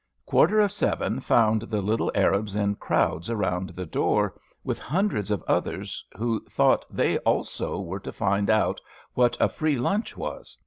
Quarter of seven found the little Arabs in crowds around the door, with hundreds of others who thought they also were to find out what a "free lunch" was.